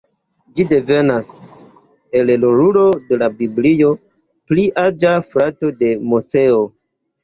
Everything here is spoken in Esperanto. Ĝi devenas el rolulo de la Biblio, pli aĝa frato de Moseo.